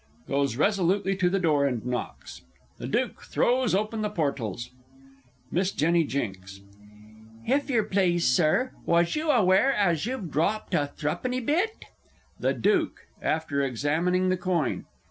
[Goes resolutely to the door, and knocks The Duke throws open the portals. Miss J. J. If yer please, Sir, was you aware as you've dropped a thruppenny bit? The Duke (_after examining the coin.